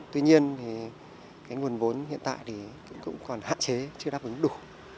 tuy nhiên thì cái nguồn vốn hiện tại thì cũng còn hạn chế chưa đáp ứng đủ